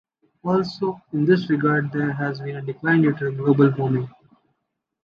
Also in this regard, there has been a decline due to global warming.